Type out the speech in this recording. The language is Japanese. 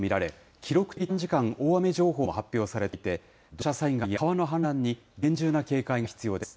記録的短時間大雨情報も発表されていて、土砂災害や川の氾濫に、厳重な警戒が必要です。